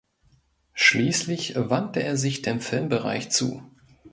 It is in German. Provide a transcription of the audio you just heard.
Schließlich wandte er sich dem Filmbereich zu.